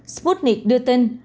sputnik đưa tin